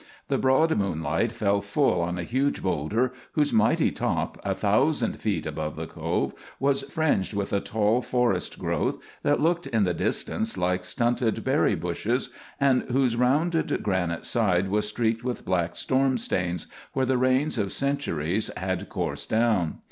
The broad moonlight fell full on a huge boulder, whose mighty top, a thousand feet above the Cove, was fringed with a tall forest growth that looked in the distance like stunted berry bushes, and whose rounded granite side was streaked with black storm stains where the rains of centuries had coursed down.